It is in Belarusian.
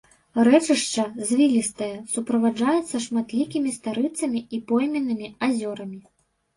Рэчышча звілістае, суправаджаецца шматлікімі старыцамі і пойменнымі азёрамі.